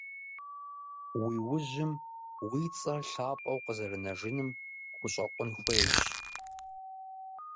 Уи ужьым уи цӀэр лъапӀэу къызэрынэжыным хущӀэкъун хуейщ.